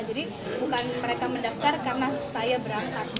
jadi bukan mereka mendaftar karena saya berangkat